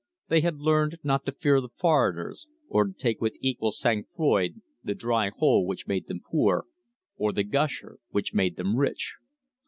They had learned not to fear the foreigners, and to take with equal sang froid the "dry hole" which made them poor, or the "gusher" which made them rich.